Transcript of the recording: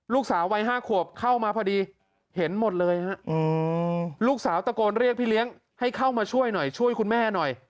ลูกสาววัย๕ขวบเข้ามาพอดีเห็นหมดเลยฮะลูกสาวตะโกนเรียกพี่เลี้ยงให้เข้ามาช่วยหน่อยช่วยคุณแม่หน่อย